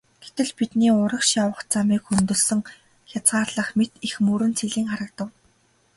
Гэтэл бидний урагш явах замыг хөндөлсөн хязгаарлах мэт их мөрөн цэлийн харагдав.